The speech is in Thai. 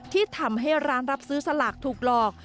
ที่ทำให้ร้านรับซื้อสลากถูกหลอก